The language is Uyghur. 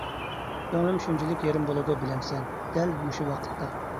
كۆڭلۈم شۇنچىلىك يېرىم بولىدۇ بىلەمسەن، دەل مۇشۇ ۋاقىتتا.